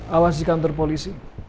awas di kantor polisi